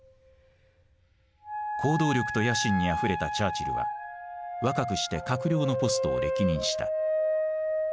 行動力と野心にあふれたチャーチルは若くして閣僚のポストを歴任した。